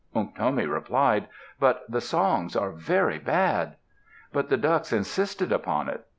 Unktomi replied, "But the songs are very bad." But the ducks insisted upon it.